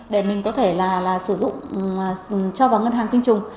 để mình có thể là sử dụng cho vào ngân hàng tinh trùng